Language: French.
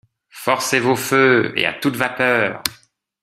Forcez vos feux, et à toute vapeur !